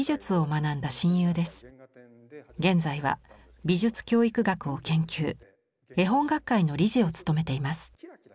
現在は美術教育学を研究絵本学会の理事を務めています。